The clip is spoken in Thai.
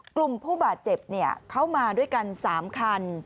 กลุ่มผู้บาดเจ็บเนี่ยเข้ามาด้วยกันสามคัน